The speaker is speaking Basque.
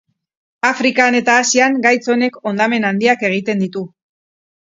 Afrikan eta Asian gaitz honek hondamen handiak egiten ditu.